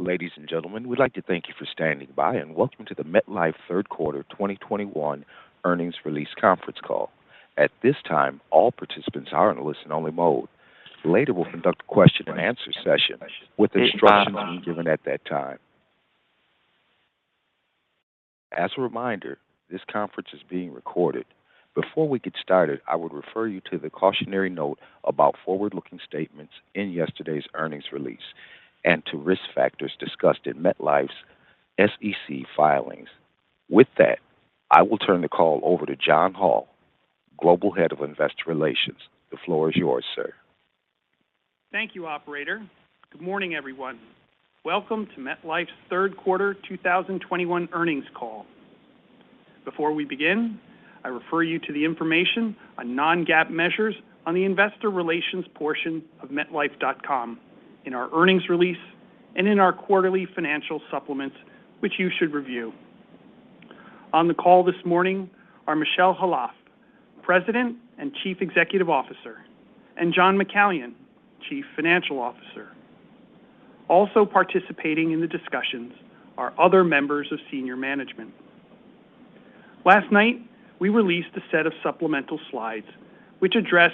Ladies and gentlemen, we'd like to thank you for standing by and welcome to the MetLife Q3 2021 earnings release conference call. At this time, all participants are in a listen-only mode. Later, we'll conduct a question-and-answer session with instructions to be given at that time. As a reminder, this conference is being recorded. Before we get started, I would refer you to the cautionary note about forward-looking statements in yesterday's earnings release and to risk factors discussed in MetLife's SEC filings. With that, I will turn the call over to John Hall, Global Head of Investor Relations. The floor is yours, sir. Thank you, operator. Good morning, everyone. Welcome to MetLife's third quarter 2021 earnings call. Before we begin, I refer you to the information on non-GAAP measures on the investor relations portion of metlife.com in our earnings release and in our quarterly financial supplements, which you should review. On the call this morning are Michel Khalaf, President and Chief Executive Officer, and John McCallion, Chief Financial Officer. Also participating in the discussions are other members of senior management. Last night we released a set of supplemental slides which address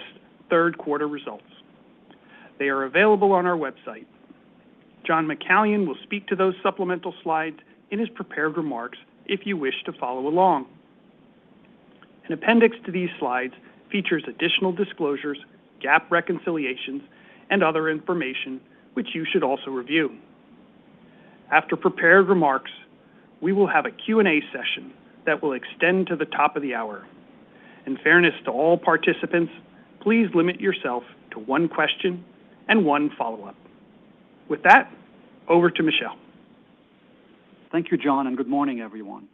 third quarter results. They are available on our website. John McCallion will speak to those supplemental slides in his prepared remarks if you wish to follow along. An appendix to these slides features additional disclosures, GAAP reconciliations, and other information which you should also review. After prepared remarks, we will have a Q&A session that will extend to the top of the hour. In fairness to all participants, please limit yourself to one question and one follow-up. With that, over to Michel. Thank you, John, and good morning, everyone.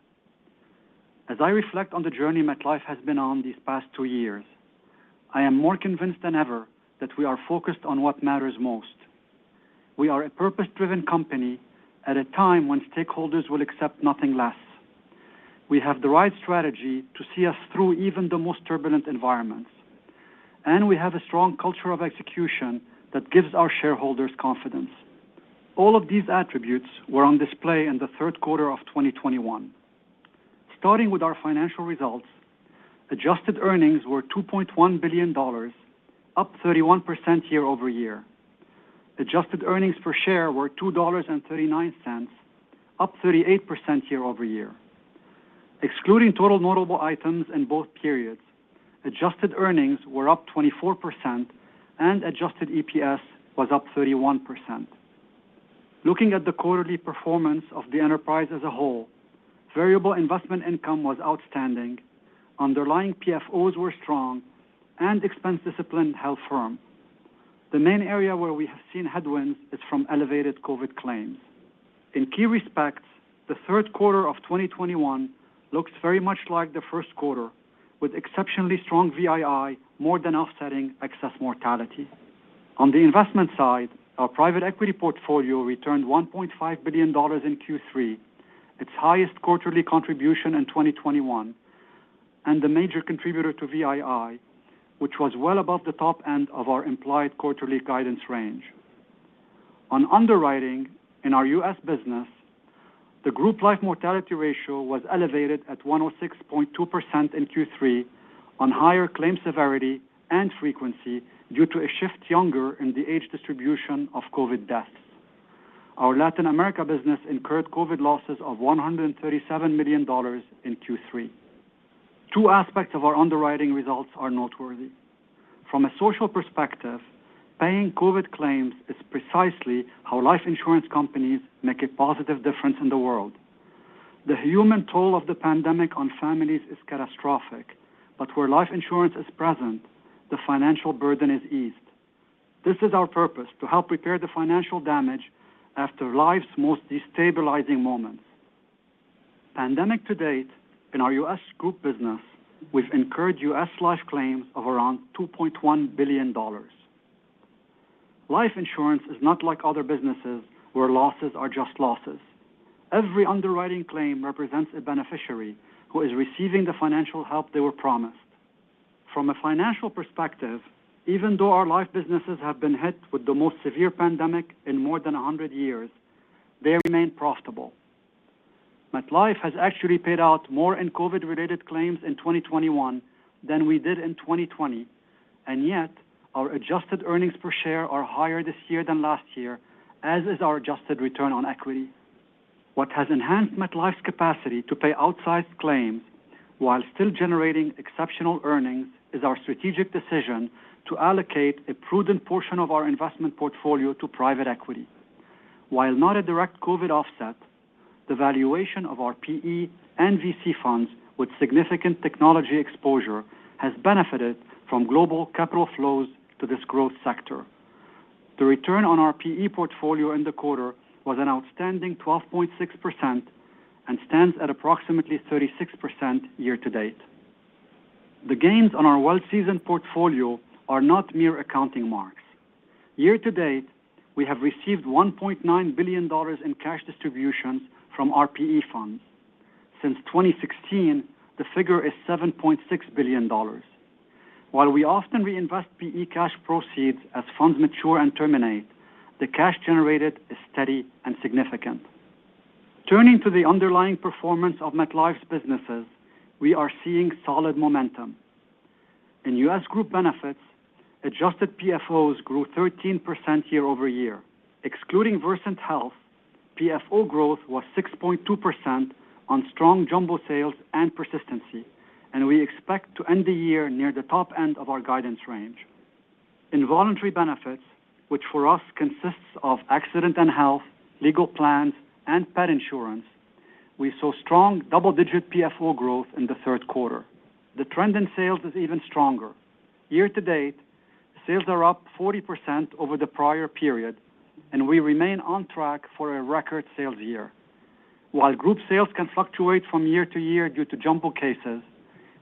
As I reflect on the journey MetLife has been on these past two years, I am more convinced than ever that we are focused on what matters most. We are a purpose-driven company at a time when stakeholders will accept nothing less. We have the right strategy to see us through even the most turbulent environments, and we have a strong culture of execution that gives our shareholders confidence. All of these attributes were on display in the third quarter of 2021. Starting with our financial results, adjusted earnings were $2.1 billion, up 31% year-over-year. Adjusted earnings per share were $2.39, up 38% year-over-year. Excluding total notable items in both periods, adjusted earnings were up 24% and adjusted EPS was up 31%. Looking at the quarterly performance of the enterprise as a whole, variable investment income was outstanding, underlying PFOs were strong and expense discipline held firm. The main area where we have seen headwinds is from elevated COVID claims. In key respects, the third quarter of 2021 looks very much like the first quarter, with exceptionally strong VII more than offsetting excess mortality. On the investment side, our private equity portfolio returned $1.5 billion in Q3, its highest quarterly contribution in 2021, and a major contributor to VII, which was well above the top end of our implied quarterly guidance range. On underwriting in our U.S. business, the group life mortality ratio was elevated at 106.2% in Q3 on higher claim severity and frequency due to a shift younger in the age distribution of COVID deaths. Our Latin America business incurred COVID losses of $137 million in Q3. Two aspects of our underwriting results are noteworthy. From a social perspective, paying COVID claims is precisely how life insurance companies make a positive difference in the world. The human toll of the pandemic on families is catastrophic, but where life insurance is present, the financial burden is eased. This is our purpose, to help repair the financial damage after life's most destabilizing moments. Pandemic to date in our U.S. group business, we've incurred U.S. life claims of around $2.1 billion. Life insurance is not like other businesses where losses are just losses. Every underwriting claim represents a beneficiary who is receiving the financial help they were promised. From a financial perspective, even though our life businesses have been hit with the most severe pandemic in more than 100 years, they remain profitable. MetLife has actually paid out more in COVID-related claims in 2021 than we did in 2020, and yet our adjusted earnings per share are higher this year than last year, as is our adjusted return on equity. What has enhanced MetLife's capacity to pay outsized claims while still generating exceptional earnings is our strategic decision to allocate a prudent portion of our investment portfolio to private equity. While not a direct COVID offset, the valuation of our PE and VC funds with significant technology exposure has benefited from global capital flows to this growth sector. The return on our PE portfolio in the quarter was an outstanding 12.6% and stands at approximately 36% year-to-date. The gains on our well-seasoned portfolio are not mere accounting marks. Year-to-date, we have received $1.9 billion in cash distributions from our PE funds. Since 2016, the figure is $7.6 billion. While we often reinvest PE cash proceeds as funds mature and terminate, the cash generated is steady and significant. Turning to the underlying performance of MetLife's businesses, we are seeing solid momentum. In U.S. Group Benefits, adjusted PFOs grew 13% year-over-year. Excluding Versant Health, PFO growth was 6.2% on strong jumbo sales and persistency, and we expect to end the year near the top end of our guidance range. In voluntary benefits, which for us consists of accident and health, legal plans, and pet insurance, we saw strong double-digit PFO growth in the third quarter. The trend in sales is even stronger. Year-to-date, sales are up 40% over the prior period, and we remain on track for a record sales year. While group sales can fluctuate from year-to-year due to jumbo cases,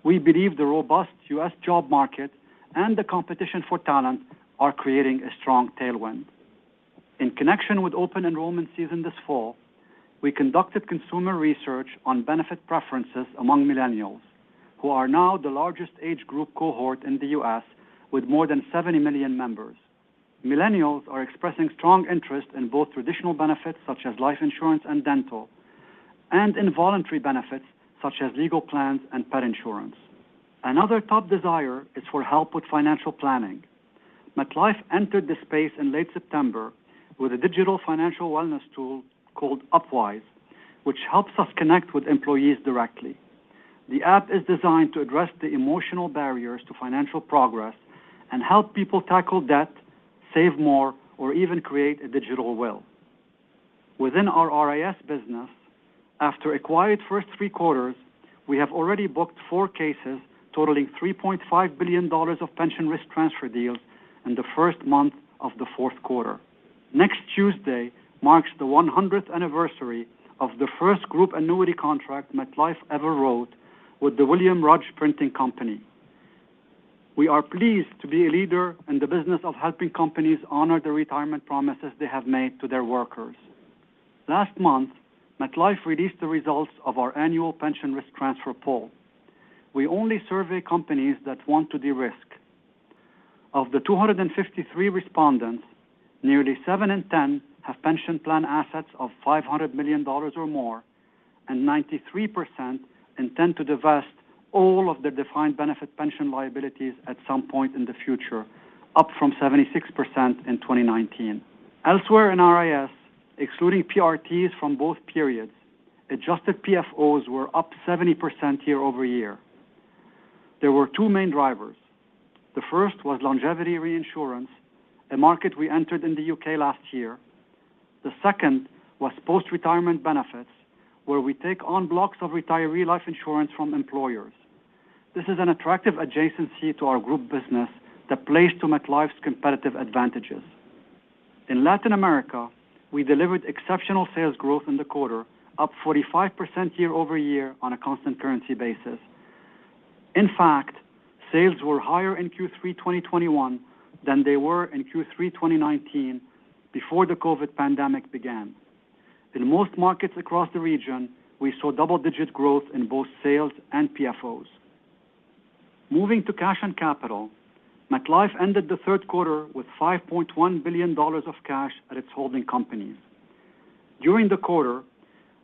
we believe the robust U.S. job market and the competition for talent are creating a strong tailwind. In connection with open enrollment season this fall, we conducted consumer research on benefit preferences among millennials, who are now the largest age group cohort in the U.S. with more than 70 million members. Millennials are expressing strong interest in both traditional benefits such as life insurance and dental, and in voluntary benefits such as legal plans and pet insurance. Another top desire is for help with financial planning. MetLife entered this space in late September with a digital financial wellness tool called Upwise, which helps us connect with employees directly. The app is designed to address the emotional barriers to financial progress and help people tackle debt, save more, or even create a digital will. Within our RIS business, after a quiet first three quarters, we have already booked four cases totaling $3.5 billion of pension risk transfer deals in the first month of the fourth quarter. Next Tuesday marks the 100th anniversary of the first group annuity contract MetLife ever wrote with the William Rudge Printing Company. We are pleased to be a leader in the business of helping companies honor the retirement promises they have made to their workers. Last month, MetLife released the results of our annual pension risk transfer poll. We only survey companies that want to de-risk. Of the 253 respondents, nearly seven in 10 have pension plan assets of $500 million or more, and 93% intend to divest all of their defined benefit pension liabilities at some point in the future, up from 76% in 2019. Elsewhere in RIS, excluding PRTs from both periods, adjusted PFOs were up 70% year-over-year. There were two main drivers. The first was longevity reinsurance, a market we entered in the U.K. last year. The second was post-retirement benefits, where we take on blocks of retiree life insurance from employers. This is an attractive adjacency to our group business that plays to MetLife's competitive advantages. In Latin America, we delivered exceptional sales growth in the quarter, up 45% year-over-year on a constant currency basis. In fact, sales were higher in Q3 2021 than they were in Q3 2019 before the COVID pandemic began. In most markets across the region, we saw double-digit growth in both sales and PFOs. Moving to cash and capital, MetLife ended the third quarter with $5.1 billion of cash at its holding companies. During the quarter,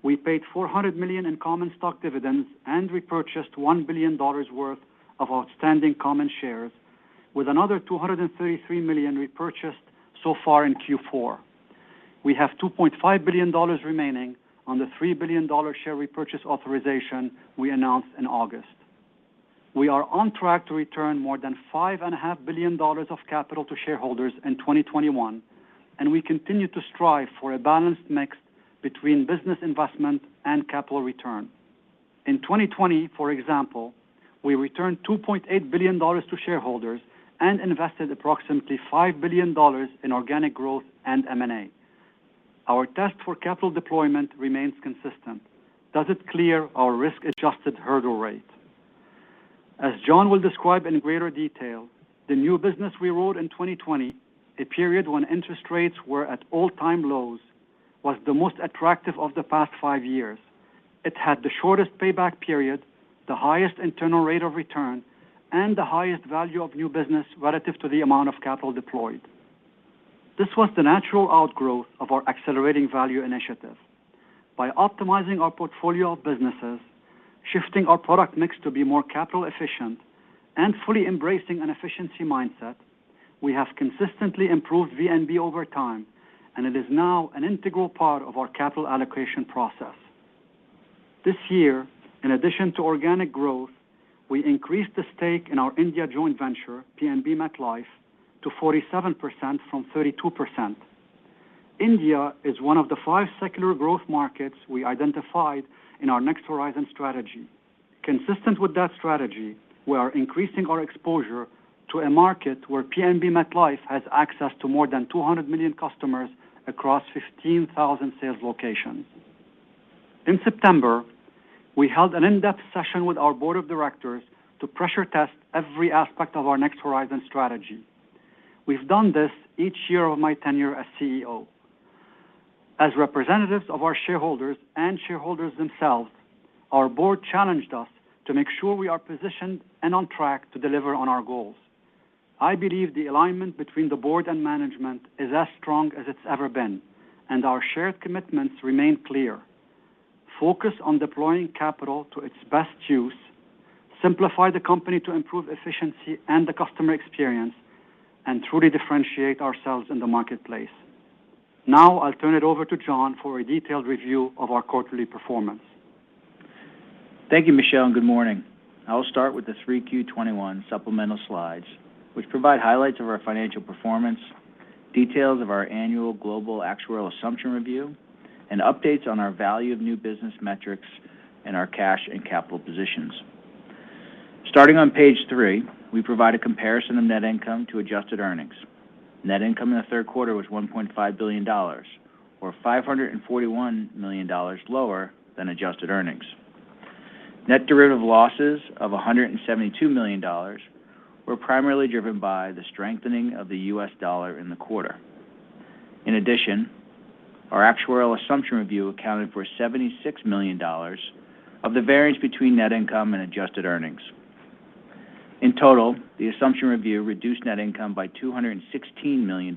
we paid $400 million in common stock dividends and repurchased $1 billion worth of outstanding common shares with another $233 million repurchased so far in Q4. We have $2.5 billion remaining on the $3 billion share repurchase authorization we announced in August. We are on track to return more than $5.5 billion of capital to shareholders in 2021, and we continue to strive for a balanced mix between business investment and capital return. In 2020, for example, we returned $2.8 billion to shareholders and invested approximately $5 billion in organic growth and M&A. Our test for capital deployment remains consistent. Does it clear our risk-adjusted hurdle rate? As John will describe in greater detail, the new business we wrote in 2020, a period when interest rates were at all-time lows, was the most attractive of the past five years. It had the shortest payback period, the highest internal rate of return, and the highest value of new business relative to the amount of capital deployed. This was the natural outgrowth of our Accelerating Value initiative. By optimizing our portfolio of businesses, shifting our product mix to be more capital efficient, and fully embracing an efficiency mindset, we have consistently improved VNB over time, and it is now an integral part of our capital allocation process. This year, in addition to organic growth, we increased the stake in our India joint venture, PNB MetLife, to 47% from 32%. India is one of the five secular growth markets we identified in our Next Horizon strategy. Consistent with that strategy, we are increasing our exposure to a market where PNB MetLife has access to more than 200 million customers across 15,000 sales locations. In September, we held an in-depth session with our board of directors to pressure test every aspect of our Next Horizon strategy. We've done this each year of my tenure as CEO. As representatives of our shareholders and shareholders themselves, our board challenged us to make sure we are positioned and on track to deliver on our goals. I believe the alignment between the board and management is as strong as it's ever been, and our shared commitments remain clear. Focus on deploying capital to its best use, simplify the company to improve efficiency and the customer experience, and truly differentiate ourselves in the marketplace. Now I'll turn it over to John for a detailed review of our quarterly performance. Thank you, Michel, and good morning. I will start with the 3Q 2021 supplemental slides which provide highlights of our financial performance, details of our annual global actuarial assumption review, and updates on our value of new business metrics and our cash and capital positions. Starting on Page 3, we provide a comparison of net income to adjusted earnings. Net income in the third quarter was $1.5 billion, or $541 million lower than adjusted earnings. Net derivative losses of $172 million were primarily driven by the strengthening of the U.S. dollar in the quarter. In addition, our actuarial assumption review accounted for $76 million of the variance between net income and adjusted earnings. In total, the assumption review reduced net income by $216 million,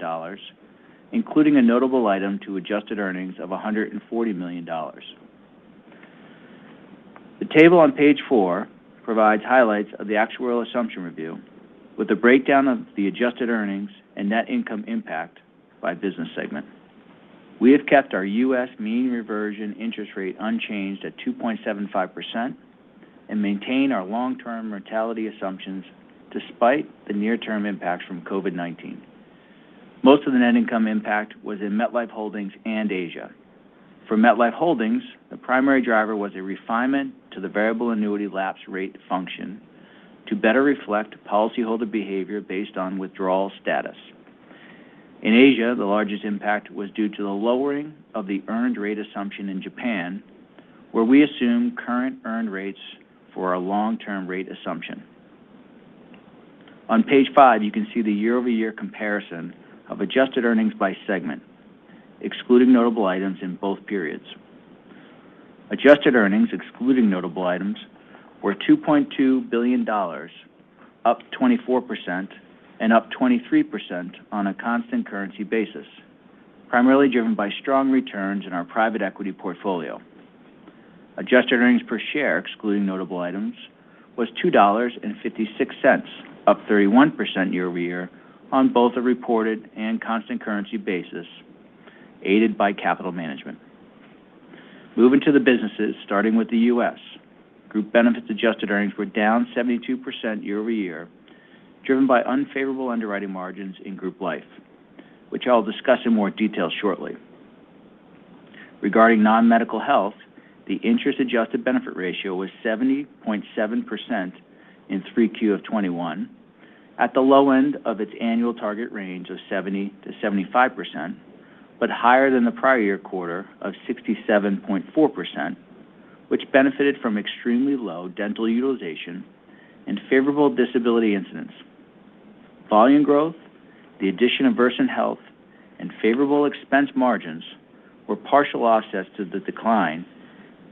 including a notable item to adjusted earnings of $140 million. The table on Page 4 provides highlights of the actuarial assumption review with a breakdown of the adjusted earnings and net income impact by business segment. We have kept our U.S. mean reversion interest rate unchanged at 2.75% and maintain our long-term mortality assumptions despite the near-term impacts from COVID-19. Most of the net income impact was in MetLife Holdings and Asia. For MetLife Holdings, the primary driver was a refinement to the variable annuity lapse rate function to better reflect policyholder behavior based on withdrawal status. In Asia, the largest impact was due to the lowering of the earned rate assumption in Japan, where we assume current earned rates for a long-term rate assumption. On Page 5, you can see the year-over-year comparison of adjusted earnings by segment, excluding notable items in both periods. Adjusted earnings, excluding notable items, were $2.2 billion, up 24% and up 23% on a constant currency basis, primarily driven by strong returns in our private equity portfolio. Adjusted earnings per share, excluding notable items, was $2.56, up 31% year-over-year on both a reported and constant currency basis, aided by capital management. Moving to the businesses, starting with the U.S. Group Benefits adjusted earnings were down 72% year-over-year, driven by unfavorable underwriting margins in Group Life, which I'll discuss in more detail shortly. Regarding non-medical health, the interest adjusted benefit ratio was 70.7% in 3Q 2021, at the low end of its annual target range of 70%-75%, but higher than the prior-year quarter of 67.4%, which benefited from extremely low dental utilization and favorable disability incidents. Volume growth, the addition of Versant Health, and favorable expense margins were partial offsets to the decline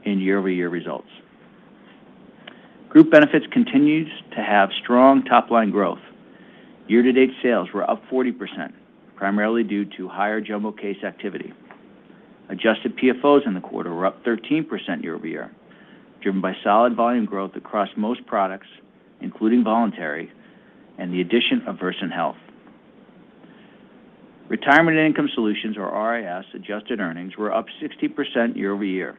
in year-over-year results. Group Benefits continues to have strong top-line growth. Year-to-date sales were up 40%, primarily due to higher jumbo case activity. Adjusted PFOs in the quarter were up 13% year-over-year, driven by solid volume growth across most products, including voluntary and the addition of Versant Health. Retirement and Income Solutions, or RIS, adjusted earnings were up 60% year-over-year.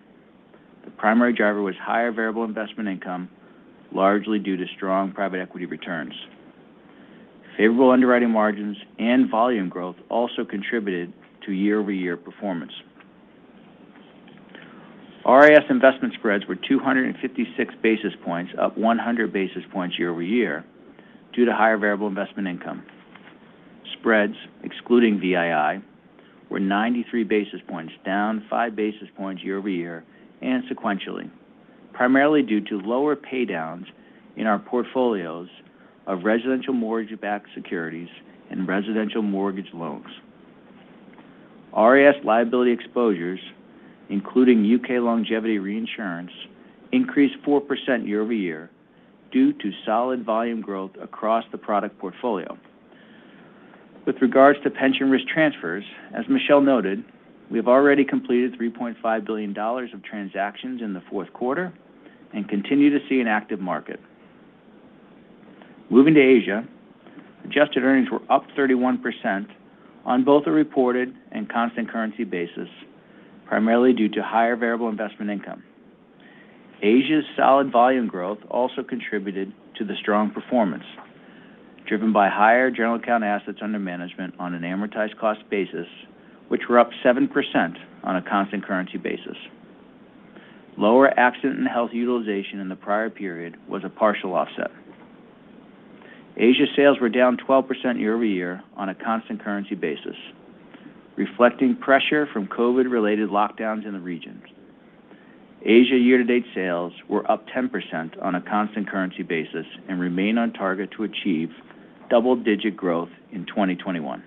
The primary driver was higher variable investment income, largely due to strong private equity returns. Favorable underwriting margins and volume growth also contributed to year-over-year performance. RIS investment spreads were 256 basis points, up 100 basis points year-over-year due to higher variable investment income. Spreads, excluding VII, were 93 basis points, down 5 basis points year-over-year and sequentially, primarily due to lower paydowns in our portfolios of residential mortgage-backed securities and residential mortgage loans. RIS liability exposures, including U.K. longevity reinsurance, increased 4% year-over-year due to solid volume growth across the product portfolio. With regards to pension risk transfers, as Michel noted, we have already completed $3.5 billion of transactions in the fourth quarter and continue to see an active market. Moving to Asia, adjusted earnings were up 31% on both a reported and constant currency basis, primarily due to higher variable investment income. Asia's solid volume growth also contributed to the strong performance, driven by higher general account assets under management on an amortized cost basis, which were up 7% on a constant currency basis. Lower accident and health utilization in the prior period was a partial offset. Asia sales were down 12% year-over-year on a constant currency basis, reflecting pressure from COVID-related lockdowns in the region. Asia year-to-date sales were up 10% on a constant currency basis and remain on target to achieve double-digit growth in 2021.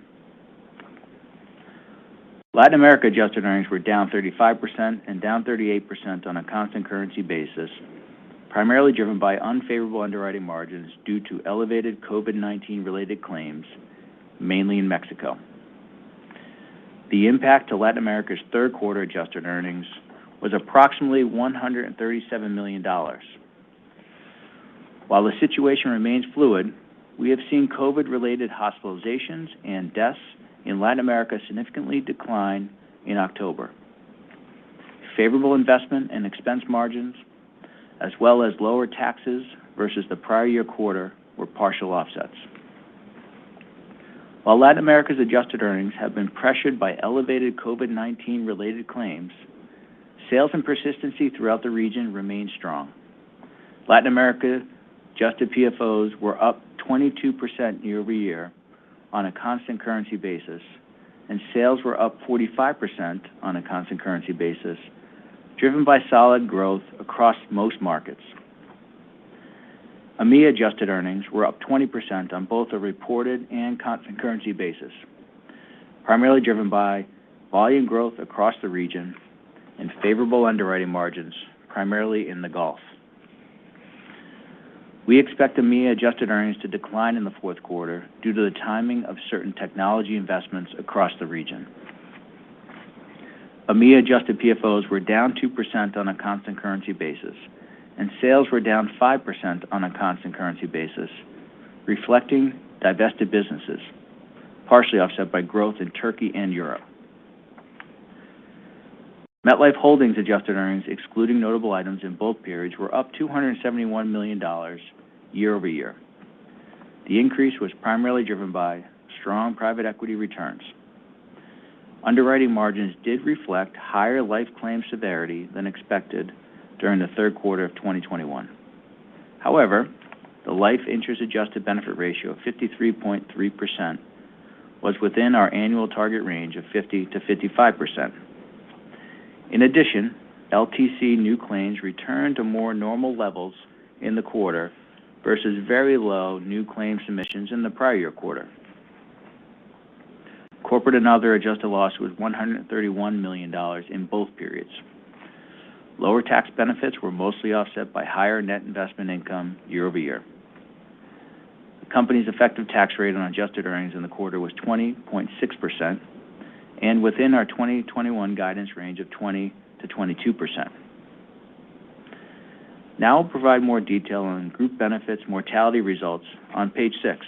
Latin America adjusted earnings were down 35% and down 38% on a constant currency basis, primarily driven by unfavorable underwriting margins due to elevated COVID-19 related claims, mainly in Mexico. The impact to Latin America's third quarter adjusted earnings was approximately $137 million. While the situation remains fluid, we have seen COVID-related hospitalizations and deaths in Latin America significantly decline in October. Favorable investment and expense margins, as well as lower taxes versus the prior-year quarter, were partial offsets. While Latin America's adjusted earnings have been pressured by elevated COVID-19 related claims, sales and persistency throughout the region remain strong. Latin America adjusted PFOs were up 22% year-over-year on a constant currency basis, and sales were up 45% on a constant currency basis, driven by solid growth across most markets. EMEA adjusted earnings were up 20% on both a reported and constant currency basis, primarily driven by volume growth across the region and favorable underwriting margins, primarily in the Gulf. We expect EMEA adjusted earnings to decline in the fourth quarter due to the timing of certain technology investments across the region. EMEA adjusted PFOs were down 2% on a constant currency basis, and sales were down 5% on a constant currency basis, reflecting divested businesses, partially offset by growth in Turkey and Europe. MetLife Holdings adjusted earnings, excluding notable items in both periods, were up $271 million year-over-year. The increase was primarily driven by strong private equity returns. Underwriting margins did reflect higher life claim severity than expected during the third quarter of 2021. However, the life interest adjusted benefit ratio of 53.3% was within our annual target range of 50%-55%. In addition, LTC new claims returned to more normal levels in the quarter versus very low new claim submissions in the prior-year quarter. Corporate and other adjusted loss was $131 million in both periods. Lower tax benefits were mostly offset by higher net investment income year-over-year. The company's effective tax rate on adjusted earnings in the quarter was 20.6% and within our 2021 guidance range of 20%-22%. Now I'll provide more detail on Group Benefits mortality results on Page 6.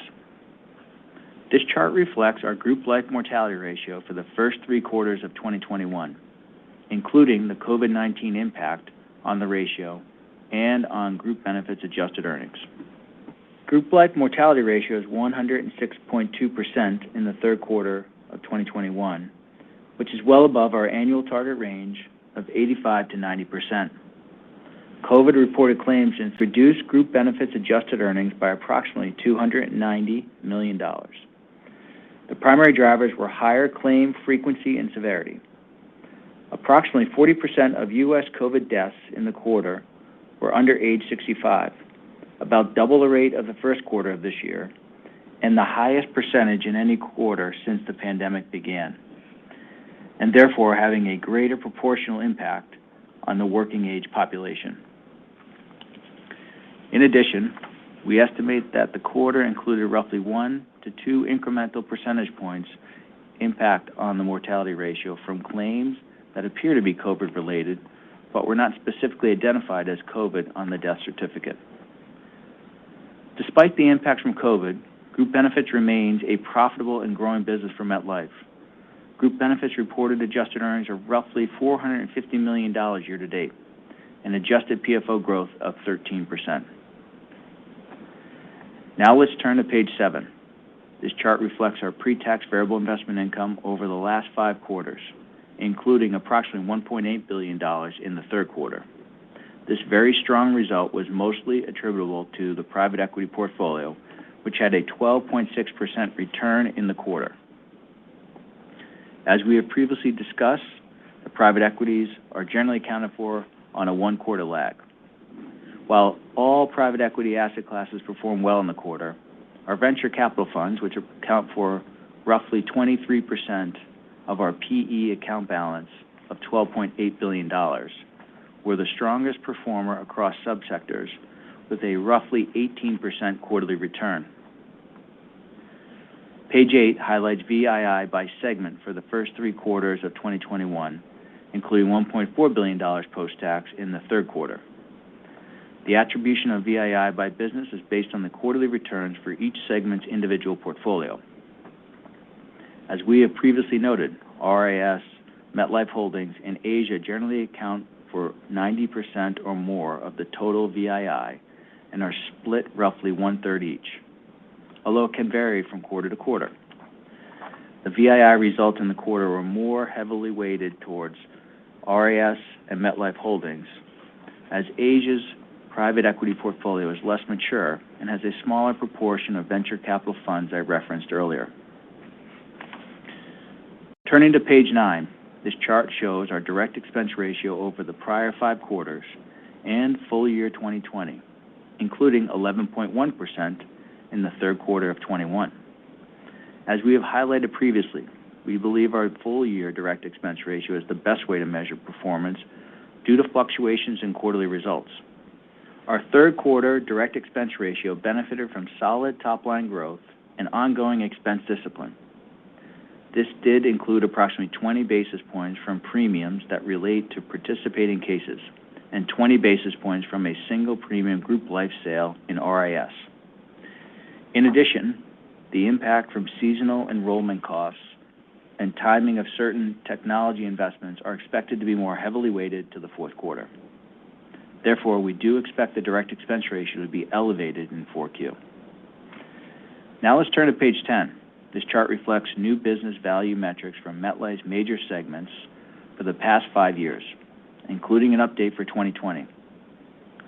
This chart reflects our group life mortality ratio for the first three quarters of 2021, including the COVID-19 impact on the ratio and on Group Benefits adjusted earnings. Group Life mortality ratio is 106.2% in the third quarter of 2021, which is well above our annual target range of 85%-90%. COVID-reported claims have reduced Group Benefits adjusted earnings by approximately $290 million. The primary drivers were higher claim frequency and severity. Approximately 40% of U.S. COVID deaths in the quarter were under age 65, about double the rate of the first quarter of this year and the highest percentage in any quarter since the pandemic began, and therefore, having a greater proportional impact on the working age population. In addition, we estimate that the quarter included roughly one to two incremental percentage points impact on the mortality ratio from claims that appear to be COVID related but were not specifically identified as COVID on the death certificate. Despite the impact from COVID, Group Benefits remains a profitable and growing business for MetLife. Group Benefits reported adjusted earnings are roughly $450 million year-to-date, an adjusted PFO growth of 13%. Now let's turn to Page 7. This chart reflects our pre-tax variable investment income over the last five quarters, including approximately $1.8 billion in the third quarter. This very strong result was mostly attributable to the private equity portfolio, which had a 12.6% return in the quarter. As we have previously discussed, the private equities are generally accounted for on a one-quarter lag. While all private equity asset classes performed well in the quarter, our venture capital funds, which account for roughly 23% of our PE account balance of $12.8 billion, were the strongest performer across subsectors with a roughly 18% quarterly return. Page 8 highlights VII by segment for the first three quarters of 2021, including $1.4 billion post-tax in the third quarter. The attribution of VII by business is based on the quarterly returns for each segment's individual portfolio. As we have previously noted, RIS, MetLife Holdings, and Asia generally account for 90% or more of the total VII and are split roughly one-third each, although it can vary from quarter-to-quarter. The VII results in the quarter were more heavily weighted towards RIS and MetLife Holdings as Asia's private equity portfolio is less mature and has a smaller proportion of venture capital funds I referenced earlier. Turning to Page 9, this chart shows our direct expense ratio over the prior five quarters and full-year 2020, including 11.1% in the third quarter of 2021. We have highlighted previously, we believe our full-year direct expense ratio is the best way to measure performance due to fluctuations in quarterly results. Our third quarter direct expense ratio benefited from solid top-line growth and ongoing expense discipline. This did include approximately 20 basis points from premiums that relate to participating cases and 20 basis points from a single premium group life sale in RIS. In addition, the impact from seasonal enrollment costs and timing of certain technology investments are expected to be more heavily weighted to the fourth quarter. Therefore, we do expect the direct expense ratio to be elevated in Q4. Now let's turn to Page 10. This chart reflects new business value metrics from MetLife's major segments for the past five years, including an update for 2020.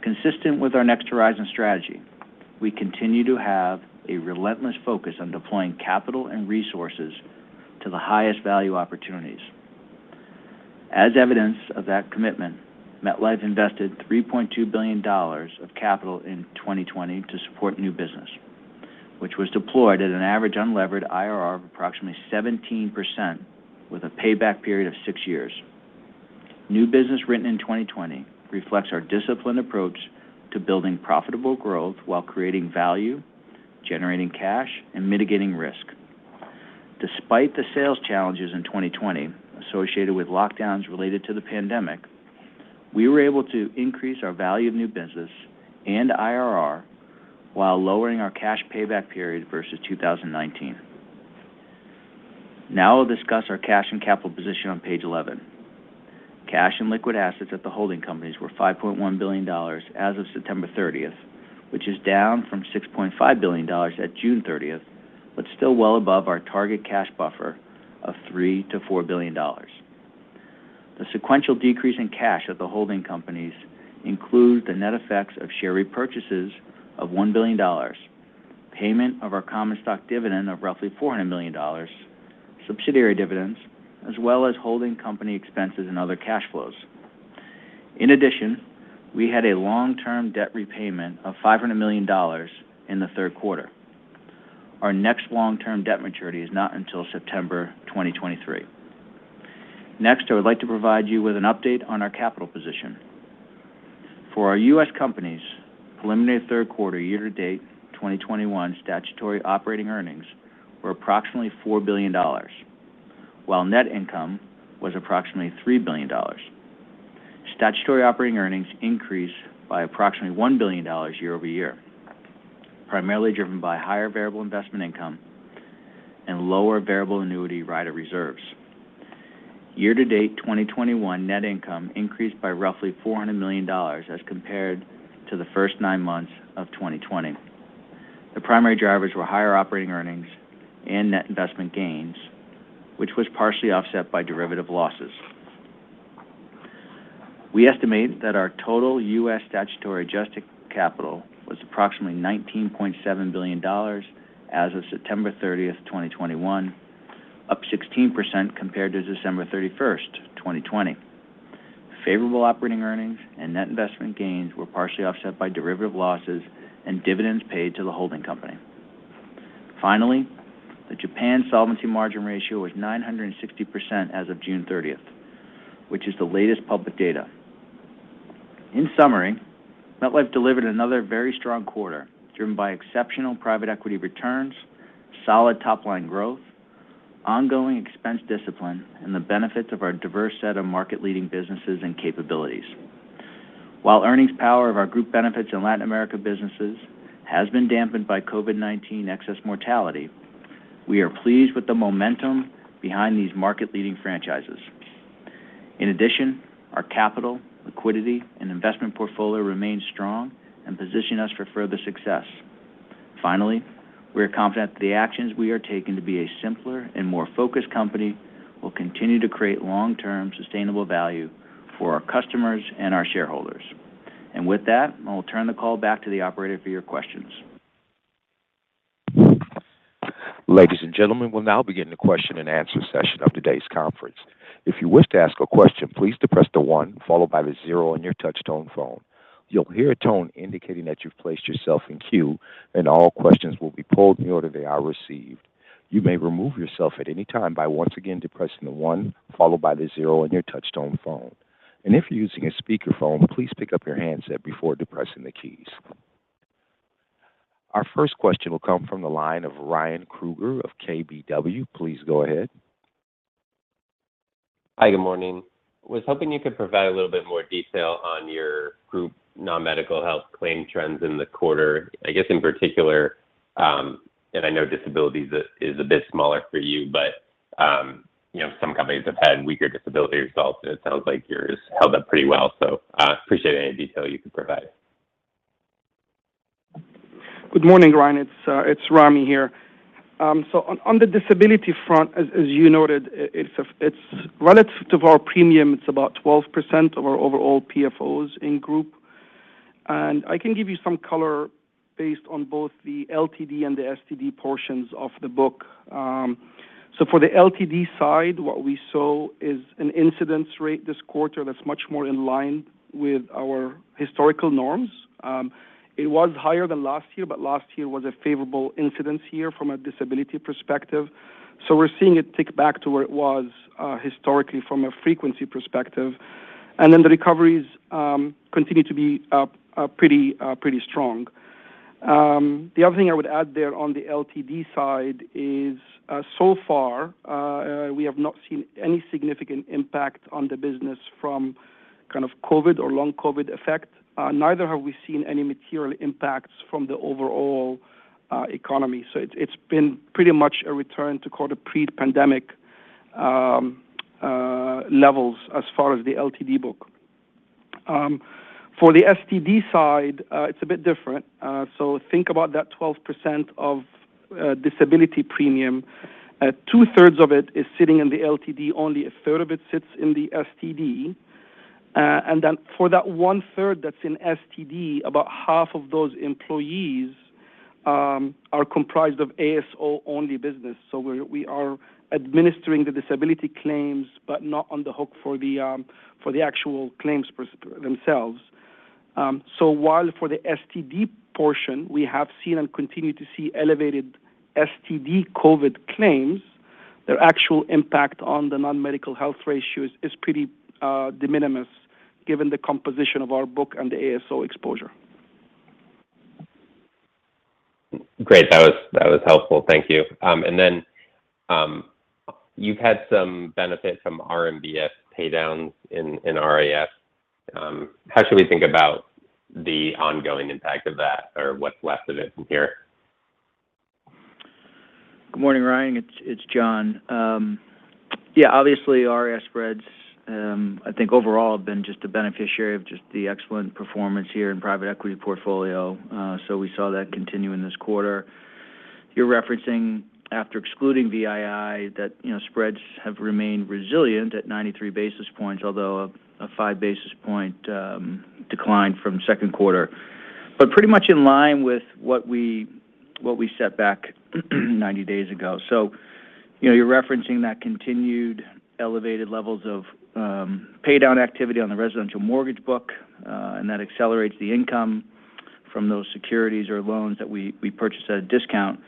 Consistent with our Next Horizon strategy, we continue to have a relentless focus on deploying capital and resources to the highest value opportunities. As evidence of that commitment, MetLife invested $3.2 billion of capital in 2020 to support new business, which was deployed at an average unlevered IRR of approximately 17% with a payback period of six years. New business written in 2020 reflects our disciplined approach to building profitable growth while creating value, generating cash, and mitigating risk. Despite the sales challenges in 2020 associated with lockdowns related to the pandemic, we were able to increase our value of new business and IRR while lowering our cash payback period versus 2019. Now I'll discuss our cash and capital position on Page 11. Cash and liquid assets at the holding companies were $5.1 billion as of September 30th, which is down from $6.5 billion at June 30th, but still well above our target cash buffer of $3 billion-$4 billion. The sequential decrease in cash at the holding companies includes the net effects of share repurchases of $1 billion, payment of our common stock dividend of roughly $400 million, subsidiary dividends, as well as holding company expenses and other cash flows. In addition, we had a long-term debt repayment of $500 million in the third quarter. Our next long-term debt maturity is not until September 2023. Next, I would like to provide you with an update on our capital position. For our U.S. companies, preliminary third quarter year-to-date 2021 statutory operating earnings were approximately $4 billion, while net income was approximately $3 billion. Statutory operating earnings increased by approximately $1 billion year-over-year, primarily driven by higher variable investment income and lower variable annuity rider reserves. Year-to-date 2021 net income increased by roughly $400 million as compared to the first nine months of 2020. The primary drivers were higher operating earnings and net investment gains, which was partially offset by derivative losses. We estimate that our total U.S. statutory adjusted capital was approximately $19.7 billion as of September 30th, 2021, up 16% compared to December 31st, 2020. Favorable operating earnings and net investment gains were partially offset by derivative losses and dividends paid to the holding company. Finally, the Japan solvency margin ratio was 960 as of June 30th, which is the latest public data. In summary, MetLife delivered another very strong quarter driven by exceptional private equity returns, solid top-line growth, ongoing expense discipline, and the benefits of our diverse set of market-leading businesses and capabilities. While earnings power of our Group Benefits in Latin America businesses has been dampened by COVID-19 excess mortality, we are pleased with the momentum behind these market-leading franchises. In addition, our capital, liquidity, and investment portfolio remain strong and position us for further success. Finally, we are confident that the actions we are taking to be a simpler and more focused company will continue to create long-term sustainable value for our customers and our shareholders. With that, I will turn the call back to the operator for your questions. Ladies and gentlemen, we'll now begin the question and-answer session of today's conference. If you wish to ask a question, please depress the one followed by the zero on your touch-tone phone. You'll hear a tone indicating that you've placed yourself in queue, and all questions will be pulled in the order they are received. You may remove yourself at any time by once again depressing the one followed by the zero on your touch-tone phone. If you're using a speaker phone, please pick up your handset before depressing the keys. Our first question will come from the line of Ryan Krueger of KBW. Please go ahead. Hi, good morning. I was hoping you could provide a little bit more detail on your group non-medical health claim trends in the quarter. I guess in particular, and I know disability is a bit smaller for you, but, you know, some companies have had weaker disability results, and it sounds like yours held up pretty well. I appreciate any detail you can provide. Good morning, Ryan. It's Ramy here. On the disability front, as you noted, it's relative to our premium, it's about 12% of our overall PFOs in group I can give you some color based on both the LTD and the STD portions of the book. For the LTD side, what we saw is an incidence rate this quarter that's much more in line with our historical norms. It was higher than last year, but last year was a favorable incidence year from a disability perspective. We're seeing it tick back to where it was historically from a frequency perspective. The recoveries continue to be up pretty strong. The other thing I would add there on the LTD side is so far we have not seen any significant impact on the business from kind of COVID or long COVID effect. Neither have we seen any material impacts from the overall economy. It's been pretty much a return to pre-pandemic levels as far as the LTD book. For the STD side, it's a bit different. Think about that 12% of disability premium. Two-thirds of it is sitting in the LTD, only a 1/3 of it sits in the STD. Then for that one-third that's in STD, about half of those employees are comprised of ASO-only business. We are administering the disability claims, but not on the hook for the actual claims themselves. While for the STD portion, we have seen and continue to see elevated STD COVID claims, their actual impact on the non-medical health ratios is pretty de minimis given the composition of our book and the ASO exposure. Great. That was helpful. Thank you. You've had some benefit from RMBS paydowns in RIS. How should we think about the ongoing impact of that or what's left of it from here? Good morning, Ryan. It's John. Yeah, obviously, RIS spreads, I think overall have been just a beneficiary of just the excellent performance here in private equity portfolio. We saw that continue in this quarter. You're referencing after excluding VII that, you know, spreads have remained resilient at 93 basis points, although a 5 basis point decline from second quarter. Pretty much in line with what we set back 90 days ago. You know, you're referencing that continued elevated levels of paydown activity on the residential mortgage book, and that accelerates the income from those securities or loans that we purchased at a discount.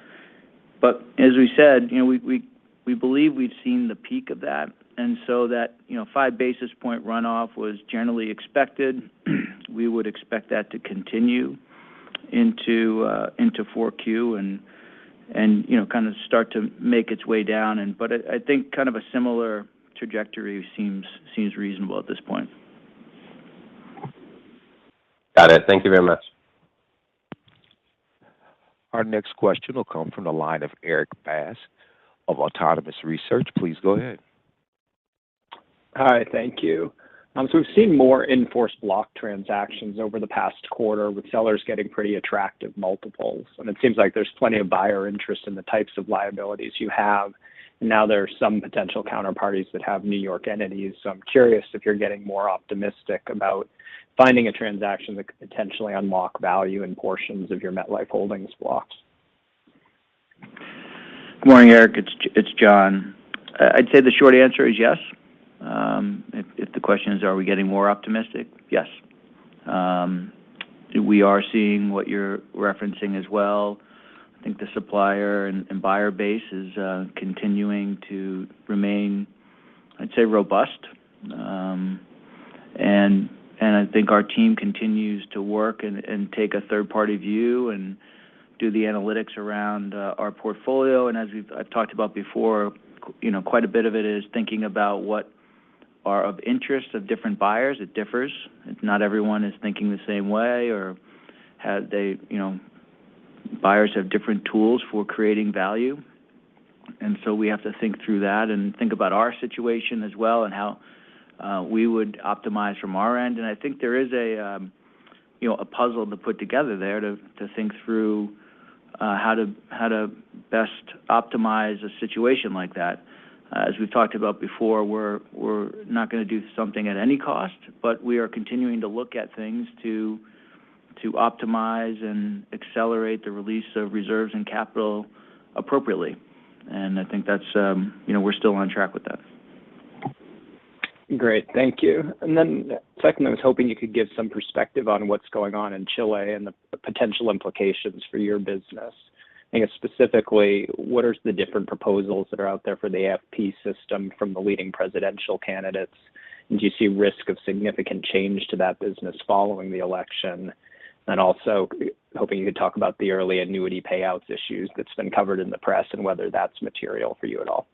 As we said, you know, we believe we've seen the peak of that, and so that 5 basis point runoff was generally expected. We would expect that to continue into 4Q and, you know, kind of start to make its way down. I think kind of a similar trajectory seems reasonable at this point. Got it. Thank you very much. Our next question will come from the line of Erik Bass of Autonomous Research. Please go ahead. Hi, thank you. We've seen more enforced block transactions over the past quarter with sellers getting pretty attractive multiples, and it seems like there's plenty of buyer interest in the types of liabilities you have. Now there are some potential counterparties that have New York entities, so I'm curious if you're getting more optimistic about finding a transaction that could potentially unlock value in portions of your MetLife Holdings blocks. Good morning, Erik Bass. It's John. I'd say the short answer is yes. If the question is, are we getting more optimistic? Yes. We are seeing what you're referencing as well. I think the supplier and buyer base is continuing to remain, I'd say, robust. I think our team continues to work and take a third-party view and do the analytics around our portfolio. As I've talked about before, you know, quite a bit of it is thinking about what is of interest to different buyers. It differs. Not everyone is thinking the same way or have they, you know. Buyers have different tools for creating value. We have to think through that and think about our situation as well and how we would optimize from our end. I think there is a you know a puzzle to put together there to think through how to best optimize a situation like that. As we've talked about before, we're not gonna do something at any cost, but we are continuing to look at things to optimize and accelerate the release of reserves and capital appropriately. I think that's. You know, we're still on track with that. Great. Thank you. Second, I was hoping you could give some perspective on what's going on in Chile and the potential implications for your business. I guess specifically, what are the different proposals that are out there for the AFP system from the leading presidential candidates? Do you see risk of significant change to that business following the election? Also, hoping you could talk about the early annuity payouts issues that's been covered in the press and whether that's material for you at all.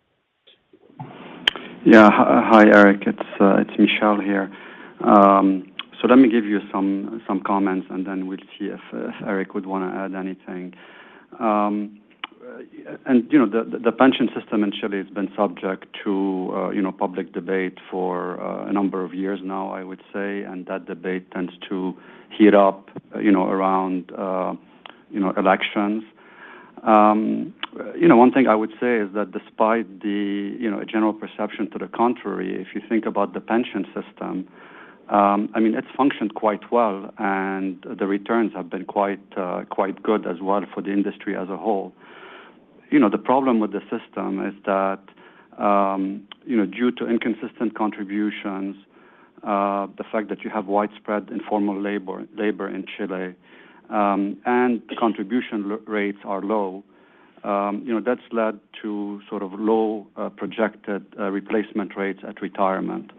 Yeah. Hi, Erik. It's Michel here. So let me give you some comments, and then we'll see if Erik would wanna add anything. You know, the pension system in Chile has been subject to public debate for a number of years now, I would say, and that debate tends to heat up around elections. You know, one thing I would say is that despite the, you know, general perception to the contrary, if you think about the pension system, I mean, it's functioned quite well and the returns have been quite good as well for the industry as a whole. You know, the problem with the system is that, you know, due to inconsistent contributions, the fact that you have widespread informal labor in Chile, and the contribution rates are low, you know, that's led to sort of low projected replacement rates at retirement.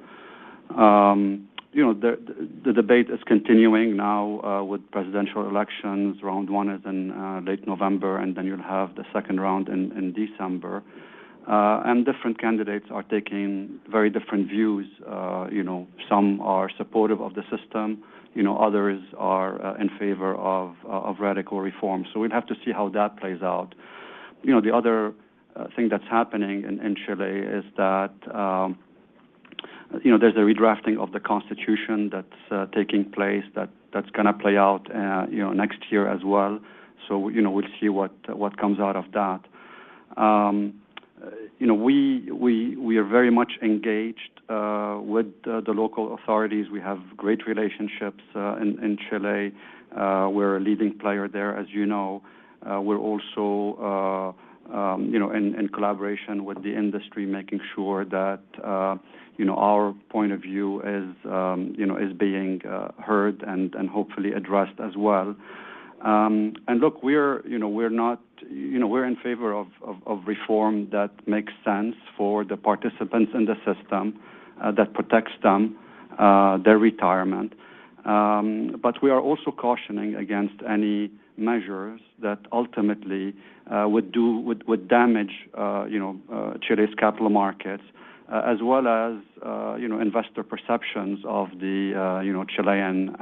You know, the debate is continuing now, with presidential elections. Round one is in late November, and then you'll have the second round in December. Different candidates are taking very different views. You know, some are supportive of the system, you know, others are in favor of radical reform. We'd have to see how that plays out. You know, the other thing that's happening in Chile is that you know, there's a redrafting of the Constitution that's taking place that's going to play out, you know, next year as well. You know, we'll see what comes out of that. You know, we are very much engaged with the local authorities. We have great relationships in Chile. We're a leading player there, as you know. We're also, you know, in collaboration with the industry, making sure that, you know, our point of view is, you know, being heard and hopefully addressed as well. Look, you know, we're in favor of reform that makes sense for the participants in the system that protects their retirement. We are also cautioning against any measures that ultimately would damage you know Chile's capital markets as well as you know investor perceptions of the you know Chilean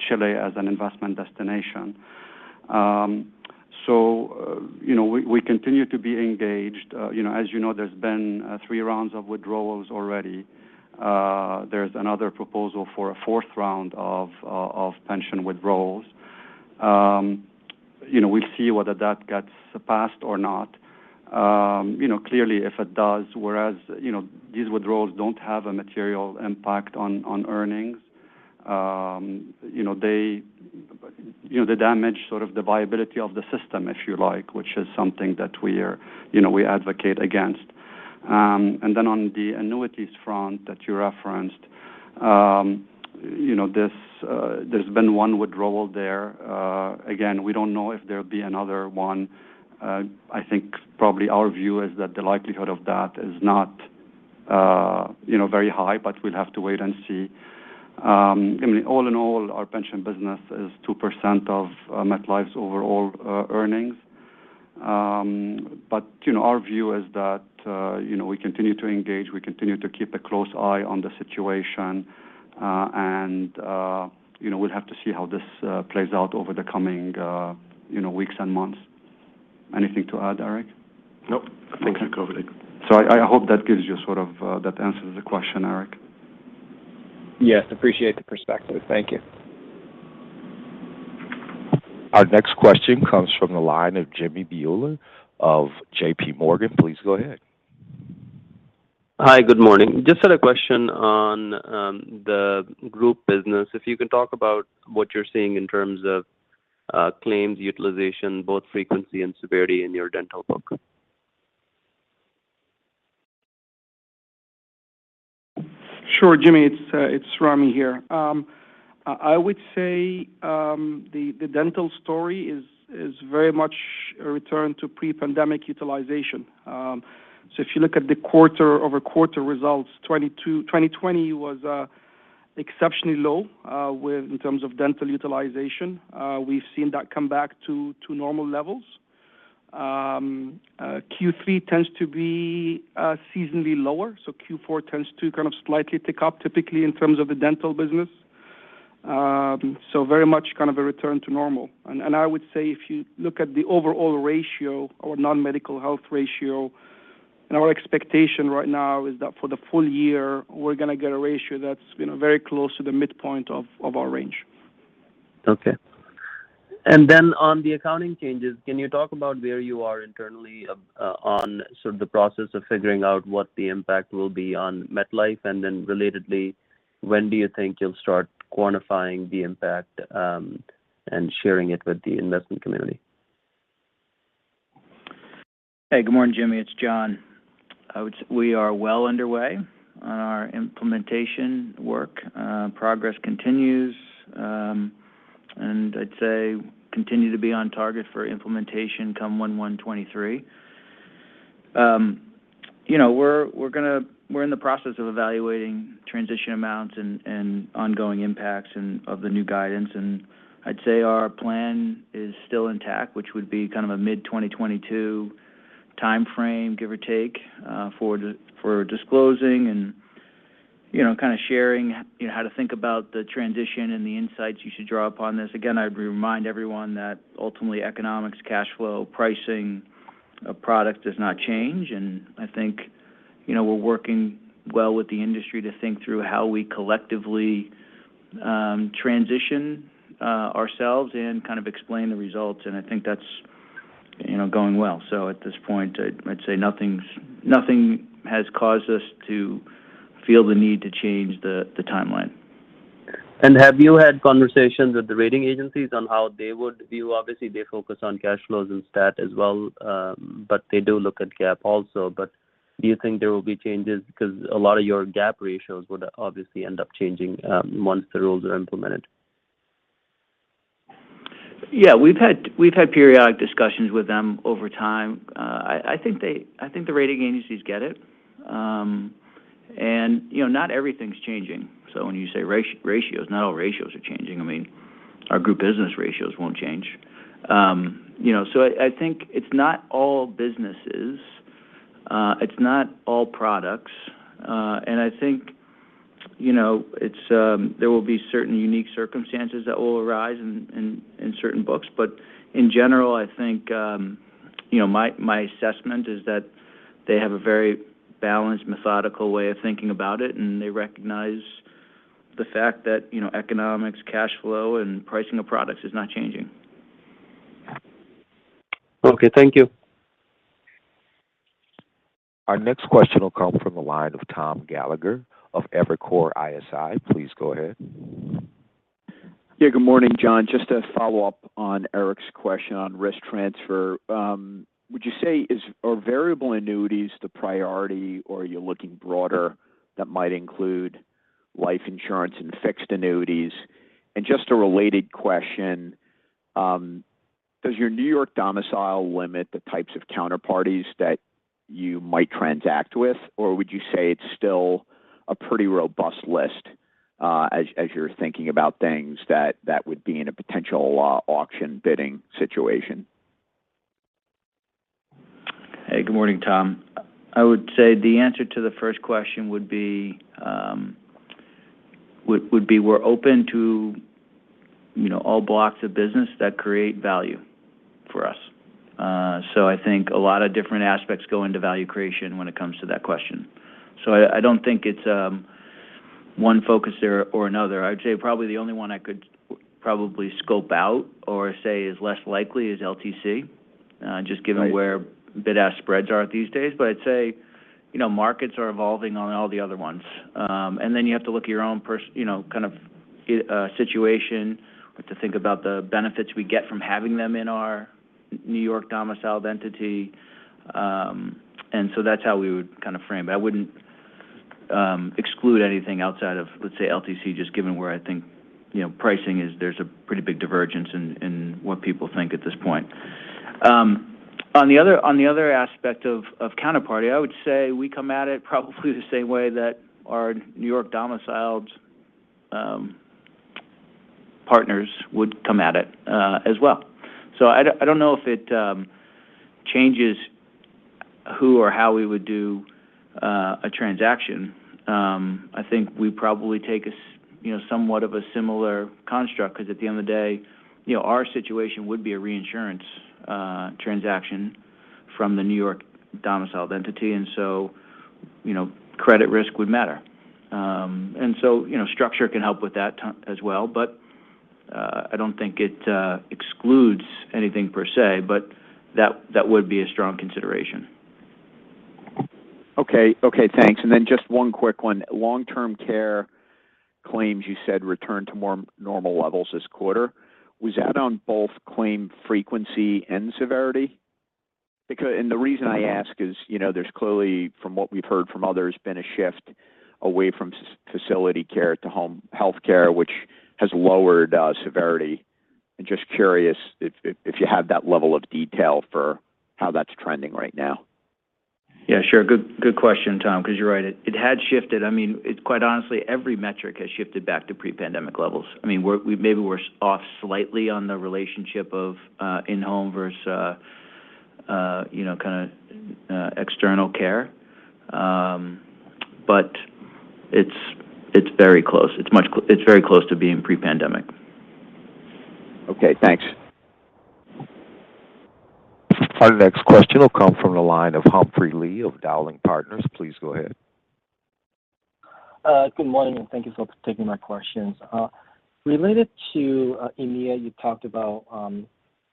Chile as an investment destination. You know, we continue to be engaged. You know, as you know, there's been three rounds of withdrawals already. There's another proposal for a fourth round of pension withdrawals. You know, we'll see whether that gets passed or not. You know, clearly if it does, whereas, you know, these withdrawals don't have a material impact on earnings, you know, they, you know, the damage, sort of the viability of the system, if you like, which is something that we are, you know, we advocate against. Then on the annuities front that you referenced, you know, this, there's been one withdrawal there. Again, we don't know if there'll be another one. I think probably our view is that the likelihood of that is not, you know, very high, but we'd have to wait and see. I mean, all in all, our pension business is 2% of MetLife's overall earnings. you know, our view is that, you know, we continue to engage, we continue to keep a close eye on the situation, and, you know, we'll have to see how this plays out over the coming, you know, weeks and months. Anything to add, Erik? Nope. I think you covered it. I hope that sort of answers the question, Erik. Yes. Appreciate the perspective. Thank you. Our next question comes from the line of Jimmy Bhullar of JPMorgan. Please go ahead. Hi. Good morning. Just had a question on the group business. If you can talk about what you're seeing in terms of claims utilization, both frequency and severity in your dental book? Sure, Jimmy, it's Ramy here. I would say the dental story is very much a return to pre-pandemic utilization. So if you look at the quarter-over-quarter results, 2020 was exceptionally low in terms of dental utilization. We've seen that come back to normal levels. Q3 tends to be seasonally lower, so Q4 tends to kind of slightly tick up typically in terms of the dental business. So very much kind of a return to normal. I would say if you look at the overall ratio or non-medical health ratio, and our expectation right now is that for the full-year, we're going to get a ratio that's you know very close to the midpoint of our range. On the accounting changes, can you talk about where you are internally, on sort of the process of figuring out what the impact will be on MetLife? Relatedly, when do you think you'll start quantifying the impact, and sharing it with the investment community? Hey, good morning, Jimmy. It's John. We are well underway on our implementation work. Progress continues, and I'd say continue to be on target for implementation come 1/1/2023. You know, we're in the process of evaluating transition amounts and ongoing impacts of the new guidance. I'd say our plan is still intact, which would be kind of a mid-2022 timeframe, give or take, for disclosing and, you know, kind of sharing, you know, how to think about the transition and the insights you should draw upon this. Again, I'd remind everyone that ultimately economics, cash flow, pricing. A product does not change, and I think, you know, we're working well with the industry to think through how we collectively transition ourselves and kind of explain the results, and I think that's, you know, going well. At this point, I'd say nothing has caused us to feel the need to change the timeline. Have you had conversations with the rating agencies on how they would view? Obviously, they focus on cash flows and stat as well, but they do look at GAAP also. Do you think there will be changes? Because a lot of your GAAP ratios would obviously end up changing once the rules are implemented. Yeah. We've had periodic discussions with them over time. I think the rating agencies get it. You know, not everything's changing. When you say ratios, not all ratios are changing. I mean, our group business ratios won't change. You know, I think it's not all businesses. It's not all products. I think, you know, it's there will be certain unique circumstances that will arise in certain books. In general, I think you know, my assessment is that they have a very balanced, methodical way of thinking about it, and they recognize the fact that, you know, economics, cash flow, and pricing of products is not changing. Okay. Thank you. Our next question will come from the line of Tom Gallagher of Evercore ISI. Please go ahead. Yeah, good morning, John. Just to follow up on Erik's question on risk transfer, would you say are variable annuities the priority, or are you looking broader that might include life insurance and fixed annuities? And just a related question, does your New York domicile limit the types of counterparties that you might transact with? Or would you say it's still a pretty robust list, as you're thinking about things that would be in a potential auction bidding situation? Hey, good morning, Tom. I would say the answer to the first question would be we're open to, you know, all blocks of business that create value for us. I think a lot of different aspects go into value creation when it comes to that question. I don't think it's one focus or another. I would say probably the only one I could probably scope out or say is less likely is LTC, just given- Right... where bid-ask spreads are these days. I'd say, you know, markets are evolving on all the other ones. Then you have to look at your own, you know, kind of situation or to think about the benefits we get from having them in our New York domiciled entity. That's how we would kind of frame. I wouldn't exclude anything outside of, let's say, LTC, just given where I think, you know, pricing is. There's a pretty big divergence in what people think at this point. On the other aspect of counterparty, I would say we come at it probably the same way that our New York domiciled partners would come at it, as well. I don't know if it changes who or how we would do a transaction. I think we probably take somewhat of a similar construct, 'cause at the end of the day, you know, our situation would be a reinsurance transaction from the New York domiciled entity, and so, you know, credit risk would matter. You know, structure can help with that as well, but I don't think it excludes anything per se. That would be a strong consideration. Okay. Okay, thanks. Just one quick one. Long-term care claims, you said, returned to more normal levels this quarter. Was that on both claim frequency and severity? Because and the reason- Uh-huh What I ask is, you know, there's clearly, from what we've heard from others, been a shift away from skilled nursing facility care to home healthcare, which has lowered severity. I'm just curious if you have that level of detail for how that's trending right now. Yeah, sure. Good question, Tom, 'cause you're right. It had shifted. I mean, it quite honestly, every metric has shifted back to pre-pandemic levels. I mean, we maybe were off slightly on the relationship of in-home versus external care. It's very close. It's very close to being pre-pandemic. Okay, thanks. Our next question will come from the line of Humphrey Lee of Dowling & Partners. Please go ahead. Good morning, and thank you for taking my questions. Related to EMEA, you talked about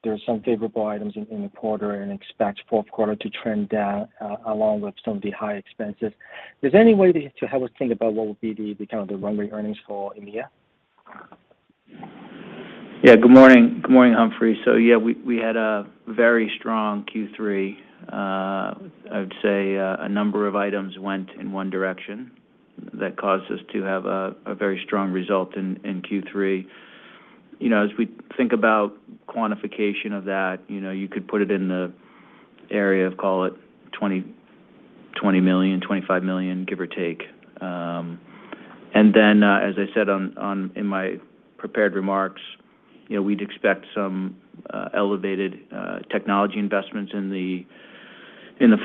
there are some favorable items in the quarter and expect fourth quarter to trend down, along with some of the high expenses. Is there any way to help us think about what would be the kind of run rate earnings for EMEA? Yeah. Good morning. Good morning, Humphrey. Yeah, we had a very strong Q3. I would say a number of items went in one direction that caused us to have a very strong result in Q3. You know, as we think about quantification of that, you know, you could put it in the area of call it $20 million-$25 million, give or take. As I said in my prepared remarks, you know, we'd expect some elevated technology investments in the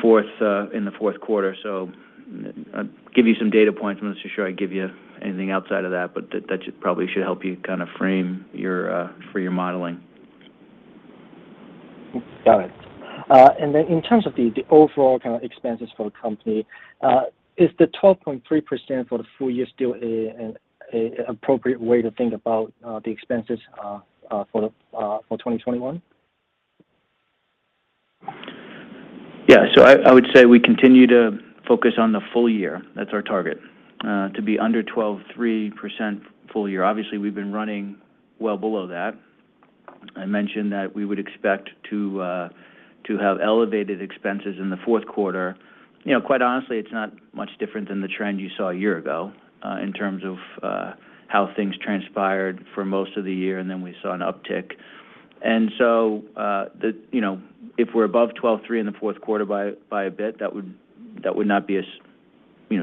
fourth quarter. I'll give you some data points. I'm not so sure I'll give you anything outside of that, but that should probably help you kind of frame your modeling. Got it. In terms of the overall kind of expenses for the company, is the 12.3% for the full-year still an appropriate way to think about the expenses for 2021? Yeah. I would say we continue to focus on the full-year. That's our target to be under 12.3% full-year. Obviously, we've been running well below that. I mentioned that we would expect to have elevated expenses in the fourth quarter. You know, quite honestly, it's not much different than the trend you saw a year ago in terms of how things transpired for most of the year, and then we saw an uptick. You know, if we're above 12.3% in the fourth quarter by a bit, that would not be a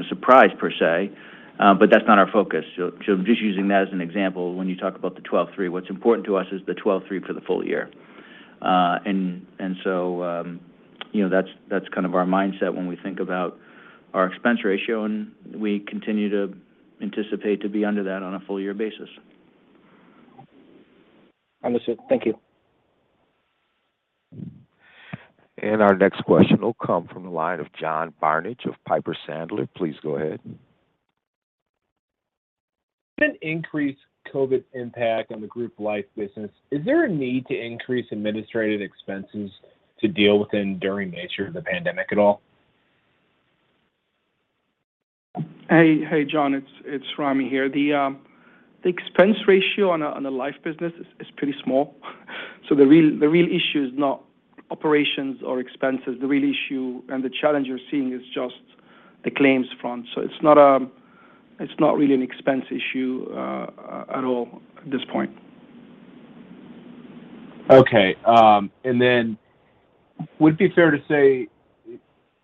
surprise per se, but that's not our focus. I'm just using that as an example when you talk about the 12.3%. What's important to us is the 12.3% for the full-year. You know, that's kind of our mindset when we think about our expense ratio, and we continue to anticipate to be under that on a full-year basis. Understood. Thank you. Our next question will come from the line of John Barnidge of Piper Sandler. Please go ahead. An increased COVID impact on the Group Life business, is there a need to increase administrative expenses to deal with the enduring nature of the pandemic at all? Hey John, it's Ramy here. The expense ratio on a life business is pretty small. The real issue is not operations or expenses. The real issue and the challenge you're seeing is just the claims front. It's not really an expense issue at all at this point. Okay. Would it be fair to say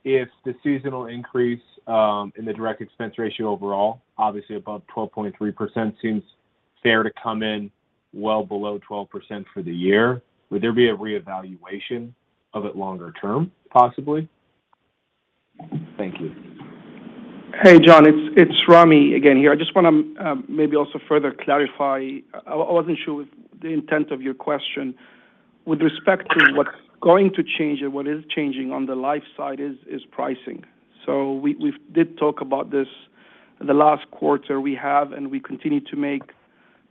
if the seasonal increase in the direct expense ratio overall, obviously above 12.3% seems fair to come in well below 12% for the year, would there be a reevaluation of it longer term, possibly? Thank you. Hey, John, it's Ramy again here. I just wanna maybe also further clarify. I wasn't sure with the intent of your question. With respect to what's going to change and what is changing on the life side is pricing. We did talk about this the last quarter. We have and we continue to make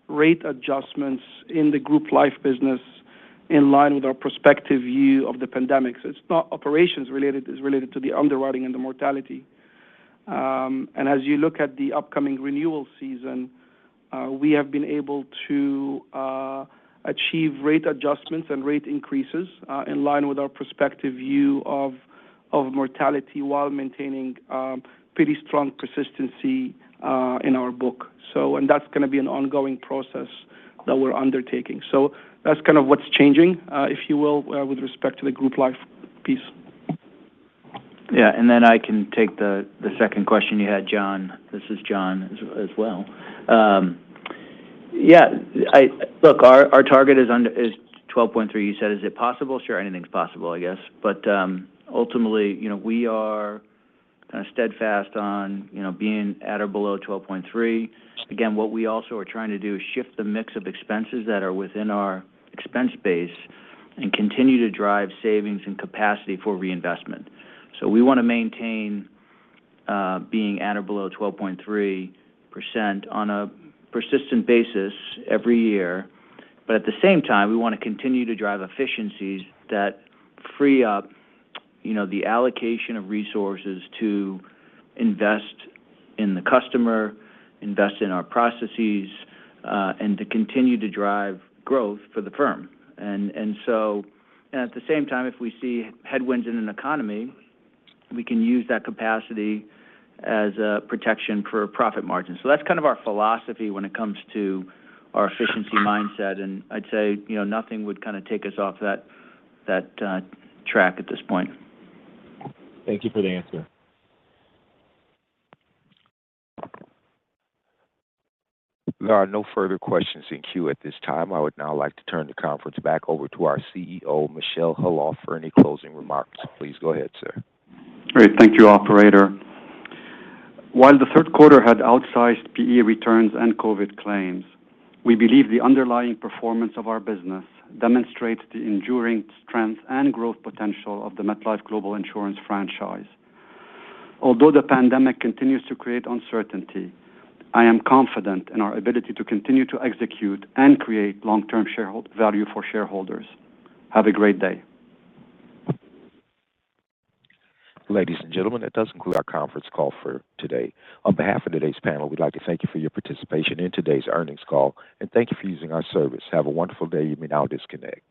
rate adjustments in the Group Life business in line with our prospective view of the pandemic. It's not operations related, it's related to the underwriting and the mortality. As you look at the upcoming renewal season, we have been able to achieve rate adjustments and rate increases in line with our prospective view of mortality while maintaining pretty strong persistency in our book. That's gonna be an ongoing process that we're undertaking. That's kind of what's changing, if you will, with respect to the Group Life piece. Yeah. Then I can take the second question you had, John. This is John as well. Yeah. Look, our target is 12.3. You said, is it possible? Sure, anything's possible, I guess. Ultimately, you know, we are kinda steadfast on, you know, being at or below 12.3. Again, what we also are trying to do is shift the mix of expenses that are within our expense base and continue to drive savings and capacity for reinvestment. We wanna maintain being at or below 12.3% on a persistent basis every year. At the same time, we wanna continue to drive efficiencies that free up, you know, the allocation of resources to invest in the customer, invest in our processes, and to continue to drive growth for the firm. At the same time, if we see headwinds in an economy, we can use that capacity as a protection for profit margin. That's kind of our philosophy when it comes to our efficiency mindset, and I'd say, you know, nothing would kinda take us off that track at this point. Thank you for the answer. There are no further questions in queue at this time. I would now like to turn the conference back over to our CEO, Michel Khalaf, for any closing remarks. Please go ahead, sir. Great. Thank you, operator. While the third quarter had outsized PE returns and COVID claims, we believe the underlying performance of our business demonstrates the enduring strength and growth potential of the MetLife Global Insurance franchise. Although the pandemic continues to create uncertainty, I am confident in our ability to continue to execute and create long-term shareholder value for shareholders. Have a great day. Ladies and gentlemen, that does conclude our conference call for today. On behalf of today's panel, we'd like to thank you for your participation in today's earnings call, and thank you for using our service. Have a wonderful day. You may now disconnect.